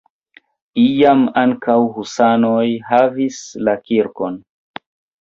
Iam ankaŭ husanoj havis la kirkon.